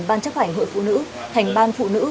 ban chấp hành hội phụ nữ thành ban phụ nữ